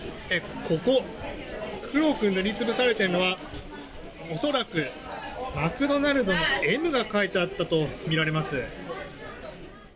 ここ、黒く塗り潰されているのは恐らく、マクドナルドの「Ｍ」が書いてあったとみられます。